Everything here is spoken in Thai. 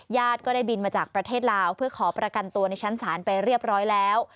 ก็ได้บินมาจากประเทศลาวเพื่อขอประกันตัวในชั้นศาลไปเรียบร้อยแล้ว